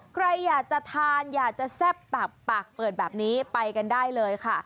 ใครอยากจะทานอยากจะแซ่บปากปากเปิดแบบนี้ไปกันได้เลยค่ะ